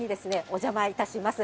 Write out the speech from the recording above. お邪魔いたします。